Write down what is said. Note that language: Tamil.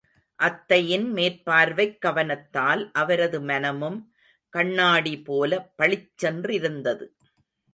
அத்தையின் மேற்பார்வைக் கவனத்தால் அவரது மனமும் கண்ணாடி போல பளிச்சென்றிருந்தது.